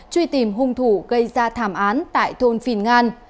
truy tìm hung thủ gây ra thảm án tại thôn phìn ngan